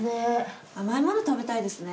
甘いもの食べたいですね。